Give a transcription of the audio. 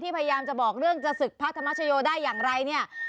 พยายามจะบอกเรื่องจะศึกพระธรรมชโยได้อย่างไรเนี่ย